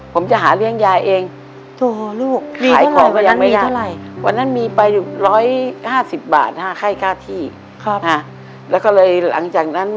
ผมจะหาเลี้ยงยายเอง